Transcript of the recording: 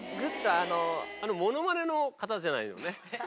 あのモノマネの方じゃないよね？